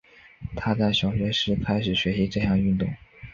她在小学时开始学习这项运动。